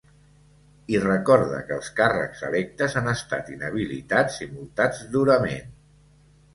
I recorda que els càrrecs electes han estat inhabilitats i multats durament.